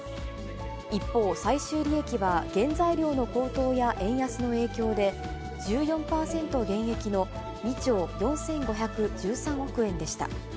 一方、最終利益は原材料の高騰や円安の影響で、１４％減益の２兆４５１３億円でした。